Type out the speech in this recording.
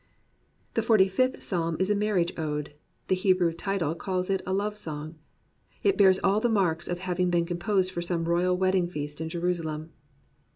The Forty fifth Psalm is a Marriage Ode: the Hebrew title calls it a Love Song. It bears all the marks of having been composed for some royal wedding feast in Jerusalem.